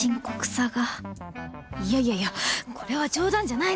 いやいやいやこれは冗談じゃないのよ